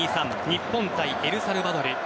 日本対エルサルバドル。